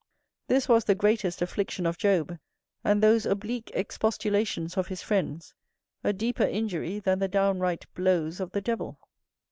This was the greatest affliction of Job, and those oblique expostulations of his friends a deeper injury than the down right blows of the devil.